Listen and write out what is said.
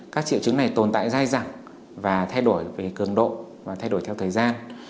các triệu chứng này tồn tại dài dẳng và thay đổi về cường độ và thay đổi theo thời gian